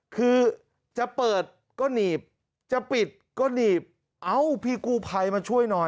คือจะเปิดก็หนีบจะปิดก็หนีบเอ้าพี่กู้ภัยมาช่วยหน่อย